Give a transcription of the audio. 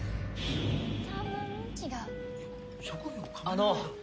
あの。